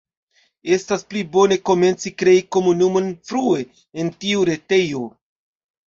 Estas pli bone komenci krei komunumon frue en tiu retejo.